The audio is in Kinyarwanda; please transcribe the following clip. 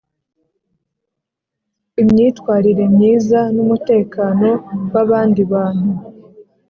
imyitwarire myiza n umutekano w abandi bantu